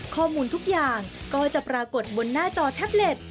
ข้อมูลทุกอย่างก็จะปรากฏบนหน้าจอแท็บเล็ต